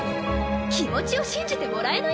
気持ちを信じてもらえない？